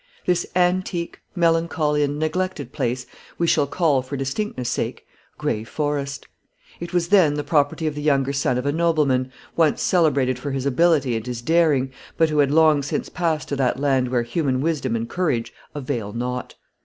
This antique, melancholy, and neglected place, we shall call, for distinctness sake, Gray Forest. It was then the property of the younger son of a nobleman, once celebrated for his ability and his daring, but who had long since passed to that land where human wisdom and courage avail naught.